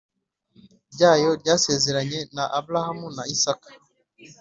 ryayo yasezeranye na Aburahamu na Isaka